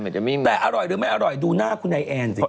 แต่อร่อยหรือไม่อร่อยดูหน้าคุณนายแอนสิ